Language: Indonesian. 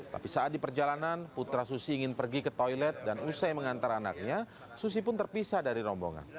tapi saat di perjalanan putra susi ingin pergi ke toilet dan usai mengantar anaknya susi pun terpisah dari rombongan